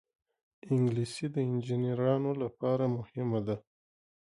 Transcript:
انګلیسي د انجینرانو لپاره مهمه ده